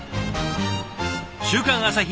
「週刊朝日」